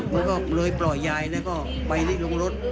มันก็เลยปล่อยยายแล้วก็ไปลงรถ